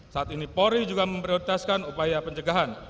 saat ini polri juga memprioritaskan upaya pencegahan